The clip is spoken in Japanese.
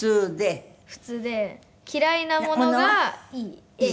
普通で嫌いなものがいいＡ。